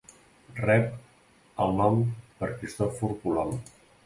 Rep el nom per Cristòfor Colom.